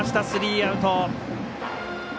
スリーアウト。